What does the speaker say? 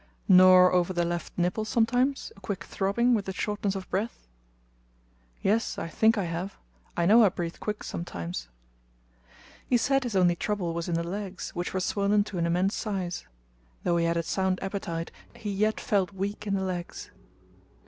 "Nor over the left nipple sometimes a quick throbbing, with a shortness of breath?" "Yes, I think I have. I know I breathe quick sometimes." He said his only trouble was in the legs, which were swollen to an immense size. Though he had a sound appetite, he yet felt weak in the legs.